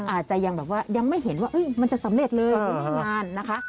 อาจจะยังไม่เห็นว่ามันจะสำเร็จเลยมีงานนะคะ